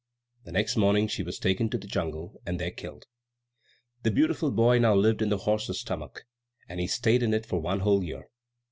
The next morning she was taken to the jungle and there killed. The beautiful boy now lived in the horse's stomach, and he stayed in it for one whole year.